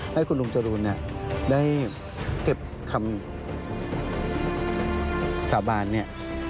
ให้คุณลุงจรูนได้เก็บคำสาบานเนี่ย